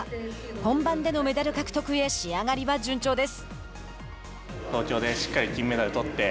本番でのメダル獲得へ仕上がりは順調です。